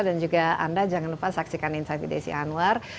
dan juga anda jangan lupa saksikan insight dari desya anwar